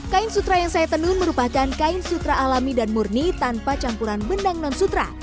kain sutra yang saya tenun merupakan kain sutra alami dan murni tanpa campuran benang non sutra